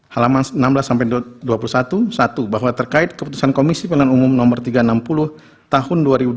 halaman enam belas sampai dua puluh satu satu bahwa terkait keputusan komisi pemilihan umum no tiga ratus enam puluh tahun dua ribu dua puluh